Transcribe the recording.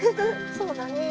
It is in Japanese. そうだね。